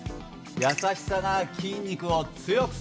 優しさが筋肉を強くする！